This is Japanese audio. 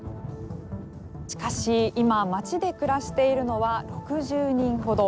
しかし、今町で暮らしているのは６０人ほど。